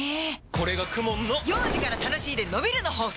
これがＫＵＭＯＮの幼児から楽しいでのびるの法則！